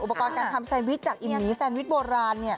อุปกรณ์การทำแซนวิชจากอิมหมีแซนวิชโบราณ